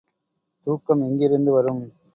தூக்கம் எங்கிருந்து வரும்?